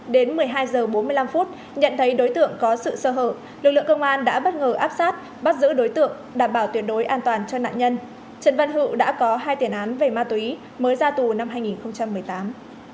đến một mươi hai h bốn mươi năm nhận thấy đối tượng có sự sơ hở lực lượng công an đã bất ngờ áp sát bắt giữ đối tượng đảm bảo tuyệt đối an toàn cho nạn nhân trần văn hữu đã có hai tiền án về ma túy mới ra tù năm hai nghìn một mươi tám